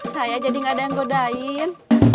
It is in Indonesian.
saya jadi gak ada yang godain